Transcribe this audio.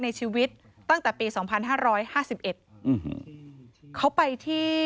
ในชีวิตตั้งแต่ปี๒๕๕๑